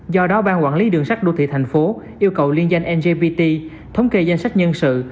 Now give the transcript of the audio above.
do đó ban quản lý đường sắt đô thị thành phố yêu cầu liên danh nzpt thống kê danh sách nhân sự